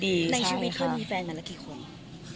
ในชีวิตเขามีแฟนแบบนั้นแล้วกี่ความ